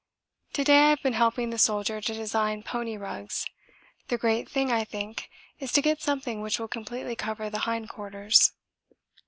To day I have been helping the Soldier to design pony rugs; the great thing, I think, is to get something which will completely cover the hindquarters.